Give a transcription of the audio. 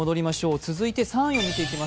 続いて３位を見ていきます。